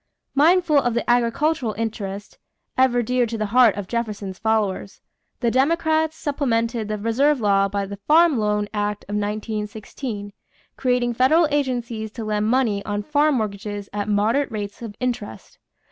Mindful of the agricultural interest, ever dear to the heart of Jefferson's followers, the Democrats supplemented the reserve law by the Farm Loan Act of 1916, creating federal agencies to lend money on farm mortgages at moderate rates of interest.